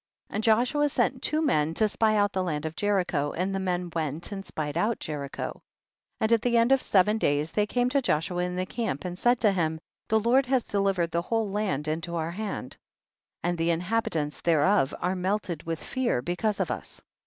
7. And Joshua sent two men to spy out the land of Jericho, and the men went and spied out Jericho. 8. And at the end of seven da)^s they came to Joshua in the camp and said to him, the Lord has delivered the whole land into our hand, and the inhabitants thereof are melted with fear because of us.